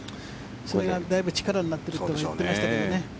それがだいぶ力になっているって言っていましたけどね。